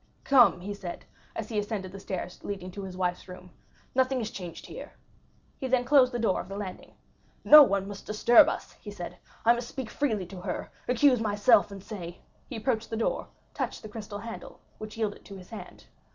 "Come," he said, as he ascended the stairs leading to his wife's room, "nothing is changed here." He then closed the door of the landing. "No one must disturb us," he said; "I must speak freely to her, accuse myself, and say"—he approached the door, touched the crystal handle, which yielded to his hand.